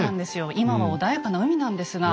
今は穏やかな海なんですが。